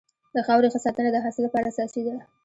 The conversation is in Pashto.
د خاورې ښه ساتنه د حاصل لپاره اساسي ده.